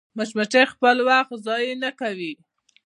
مچمچۍ خپل وخت ضایع نه کوي